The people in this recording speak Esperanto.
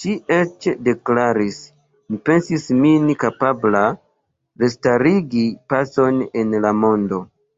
Ŝi eĉ deklaris: Mi pensis min kapabla restarigi pacon en la mondo..